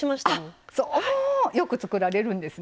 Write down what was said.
あっそうよく作られるんですね。